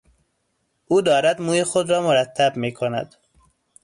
او دارد موی خود را مرتب میکند.